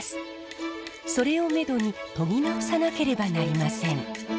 それを目途に研ぎ直さなければなりません。